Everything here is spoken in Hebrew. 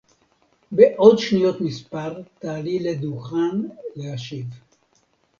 בעוד שניות מספר תעלי לדוכן להשיב